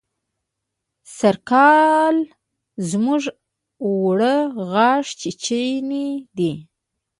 سرکال زموږ اوړه غاښ چيچوني دي.